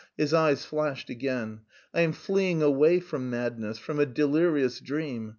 His eyes flashed again. "I am fleeing away from madness, from a delirious dream.